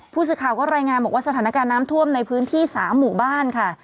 ผู้สื่อข่าวก็รายงานบอกว่าสถานการณ์น้ำท่วมในพื้นที่๓หมู่บ้านค่ะ